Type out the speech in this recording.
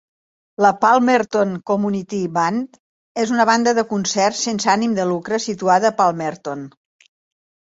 La Palmerton Community Band és una banda de concerts sense ànim de lucre situada a Palmerton.